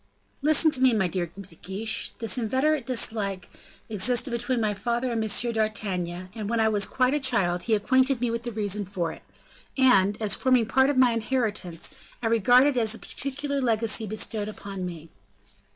"Listen to me, my dear De Guiche, this inveterate dislike existed between my father and M. d'Artagnan, and when I was quite a child, he acquainted me with the reason for it, and, as forming part of my inheritance, I regard it as a particular legacy bestowed upon me."